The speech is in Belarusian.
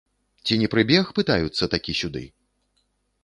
Ці не прыбег, пытаюцца, такі сюды?